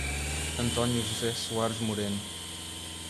Antônio José Soares Moreno